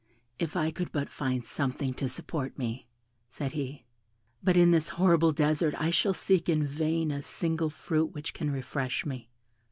"If I could but find something to support me," said he; "but in this horrible desert I shall seek in vain a single fruit which can refresh me."